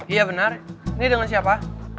iya benar ini dengan siapa